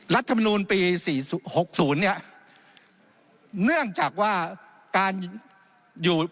รัฐมนูลปีสี่หกศูนย์เนี่ยเนื่องจากว่าการอยู่